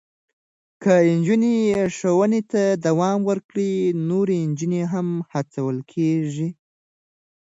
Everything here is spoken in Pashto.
که نجونې ښوونې ته دوام ورکړي، نو نورې نجونې هم هڅول کېږي.